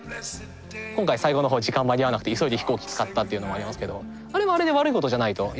今回最後のほう時間間に合わなくて急いで飛行機使ったっていうのもありますけどあれはあれで悪いことじゃないといまだに思っていて